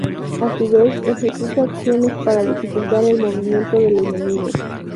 A su vez, ejecuta acciones para dificultar el movimiento del enemigo.